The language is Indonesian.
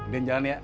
din jalan ya